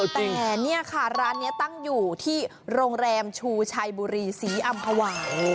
แต่เนี่ยค่ะร้านนี้ตั้งอยู่ที่โรงแรมชูชัยบุรีศรีอำภาวา